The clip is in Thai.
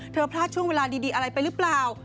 พลาดช่วงเวลาดีอะไรไปหรือเปล่า